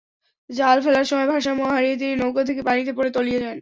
জাল ফেলার সময় ভারসাম্য হারিয়ে তিনি নৌকা থেকে পানিতে পড়ে তলিয়ে যান।